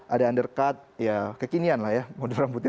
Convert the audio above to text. ada undercut kekinian lah ya model rambutnya